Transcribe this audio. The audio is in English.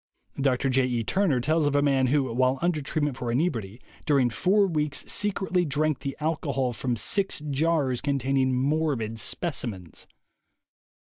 Dr. J. E. Turner tells of a man who, while under treatment for inebriety, during four weeks secretly drank the alcohol from six jars containing morbid specimens.